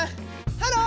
ハロー！